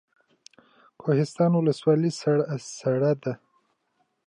کوهستان ولسوالۍ سړه ده؟